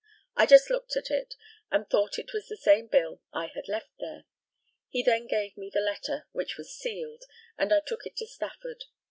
I just looked at it, and thought it was the same bill I had left there. He then gave me the letter, which was sealed, and I took it to Stafford.